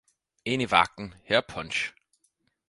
Ind i vagten, her er punch